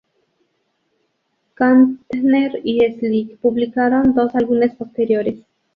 Kantner Y Slick publicaron dos álbumes posteriores.